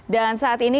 dan saat ini